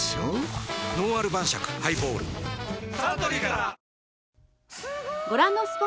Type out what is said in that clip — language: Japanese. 「のんある晩酌ハイボール」サントリーから！